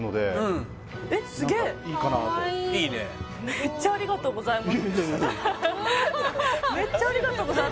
めっちゃありがとうございます